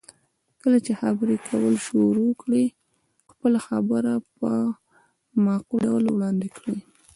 کله چې خبرې کول شروع کړئ، خپله خبره په معقول ډول وړاندې کړئ.